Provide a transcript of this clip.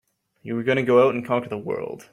You were going to go out and conquer the world!